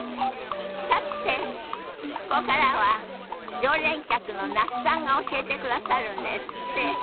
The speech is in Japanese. さてここからは常連客の那須さんが教えてくださるんですって。